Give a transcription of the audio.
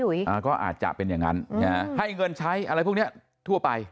ก็อาจจะเป็นอย่างนั้นให้เงินใช้อะไรพวกนี้ทั่วไป